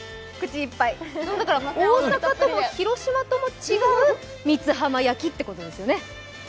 大阪とも広島とも違う三津浜焼きということですね。